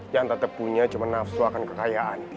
yang tetap punya cuma nafsu akan kekayaan